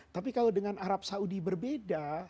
tapi kalau dengan arab saudi berbeda